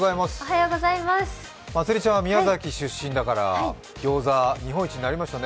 まつりちゃんは宮崎出身だから、ギョーザ、日本一になりましたね。